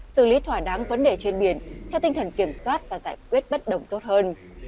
xử lý thỏa đáng vấn đề trên biển theo tinh thần kiểm soát và giải quyết bất đồng tốt hơn